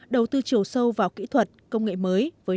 đầu tư chiều sâu vào kỹ thuật công nghệ mới